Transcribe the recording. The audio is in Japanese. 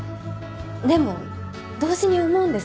でも同時に思うんです。